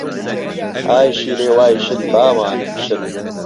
ئایشیلێ وای شل، باوانم شل